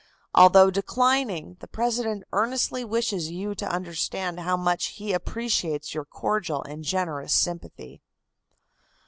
Although declining, the President earnestly wishes you to understand how much he appreciates your cordial and generous sympathy."